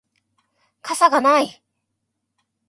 傘がない